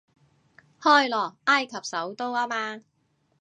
開羅，埃及首都吖嘛